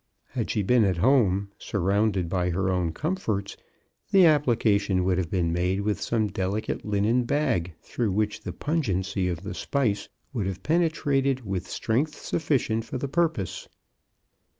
Had she been at home, surrounded by her own comforts, the application would have been made with some delicate linen bag, through which the pungency of the spice would have penetrated with strength sufficient for the purpose.